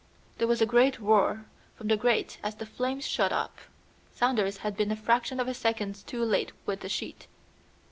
There was a great roar from the grate as the flames shot up. Saunders had been a fraction of a second too late with the sheet.